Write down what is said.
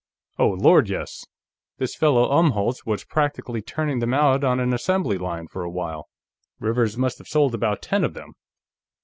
"Oh Lord, yes! This fellow Umholtz was practically turning them out on an assembly line, for a while. Rivers must have sold about ten of them.